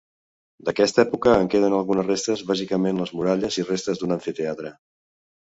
D'aquesta època en queden algunes restes bàsicament les muralles i restes d'un amfiteatre.